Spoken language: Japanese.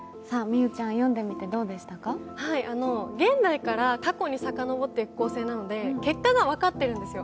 現代から過去にさかのぼっている構成なので結果が分かってるんですよ。